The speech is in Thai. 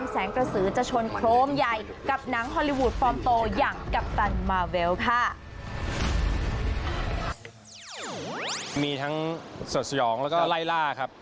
มีทั้งสดสยองแล้วก็ไล่ล่าครับ